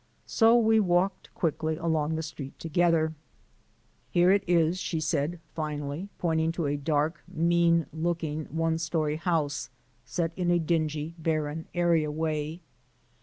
So we walked quickly along the street together. "Here it is," she said finally, pointing to a dark, mean looking, one story house, set in a dingy, barren areaway.